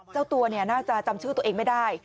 เจ้าตัวน่าจะจำชื่อตัวเองไม่ได้